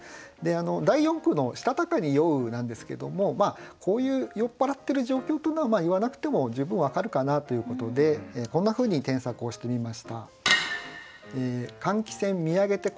第四句の「したたかに酔う」なんですけどもこういう酔っ払ってる状況というのは言わなくても十分分かるかなということでこんなふうに添削をしてみました。